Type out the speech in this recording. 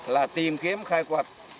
là tìm kiếm khai quật